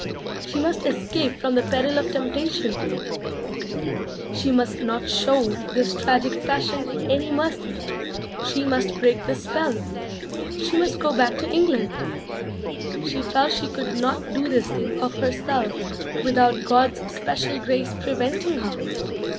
She must escape from the peril of temptation: she must not show this tragic passion any mercy: she must break this spell: she must go back to England. She felt she could not do this thing of herself without 'God's special grace preventing her'?